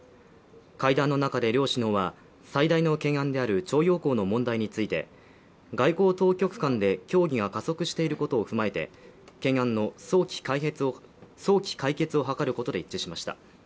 会談の中で、両首脳は最大の懸案である徴用工の問題について外交当局間で協議が加速していることを踏まえて、懸案の早期解決を図ることで一致しました。